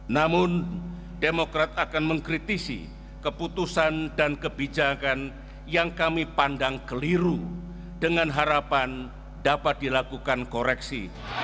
namun demokrat akan mengkritisi keputusan dan kebijakan yang kami pandang keliru dengan harapan dapat dilakukan koreksi